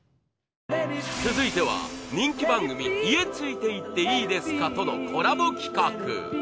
続いては人気番組『家、ついて行ってイイですか？』とのコラボ企画。